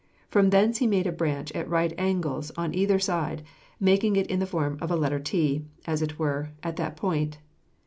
From thence he made a branch at right angles on either side, making it in the form of a letter T, as it were, at that point.